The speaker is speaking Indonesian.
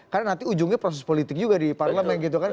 karena nanti ujungnya proses politik juga di parlamen gitu kan